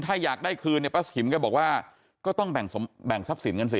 ถ้าอยากได้คืนเนี่ยป้าขิมแกบอกว่าก็ต้องแบ่งทรัพย์สินกันสิ